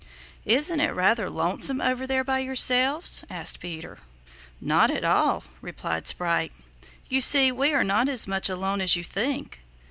"Isn't it rather lonesome over here by yourselves?" asked Peter. "Not at all," replied Sprite. "You see, we are not as much alone as you think.